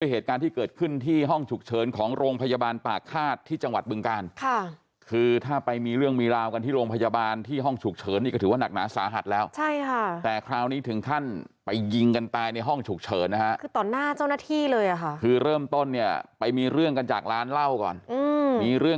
เหตุการณ์ที่เกิดขึ้นที่ห้องฉุกเฉินของโรงพยาบาลปากฆาตที่จังหวัดบึงการค่ะคือถ้าไปมีเรื่องมีราวกันที่โรงพยาบาลที่ห้องฉุกเฉินนี่ก็ถือว่าหนักหนาสาหัสแล้วใช่ค่ะแต่คราวนี้ถึงขั้นไปยิงกันตายในห้องฉุกเฉินนะฮะคือต่อหน้าเจ้าหน้าที่เลยอ่ะค่ะคือเริ่มต้นเนี่ยไปมีเรื่องกันจากร้านเหล้าก่อนอืมมีเรื่อง